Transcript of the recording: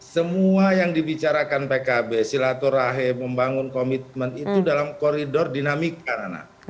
semua yang dibicarakan pkb silaturahe membangun komitmen itu dalam koridor dinamika nana